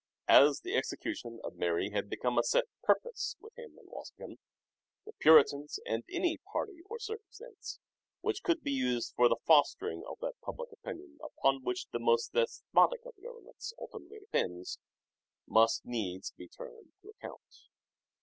As the execution of Mary had become a set purpose with him and Walsingham, the puritans and any party or circumstance, which could be used for the fostering of that public opinion upon which the most despotic of governments ultimately depends, must needs be turned to account.